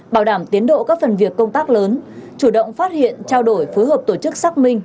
bảo đảm tiến độ các phần việc công tác lớn chủ động phát hiện trao đổi phối hợp tổ chức xác minh